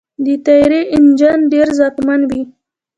د طیارې انجن ډېر ځواکمن وي.